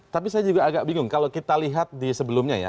tapi saya juga agak bingung kalau kita lihat di sebelumnya ya